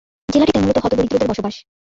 জেলাটিতে মূলত হত-দরিদ্রদের বসবাস।